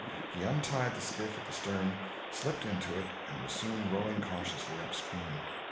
He untied the skiff at the stern, slipped into it, and was soon rowing cautiously upstream.